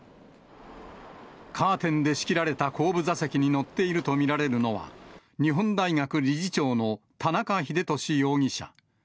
カーテンで仕切られた後部座席に乗っていると見られるのは、日本大学理事長の田中英壽容疑者。